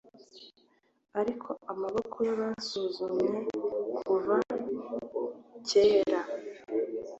ariko amaboko yabasuzumye, kuva kera,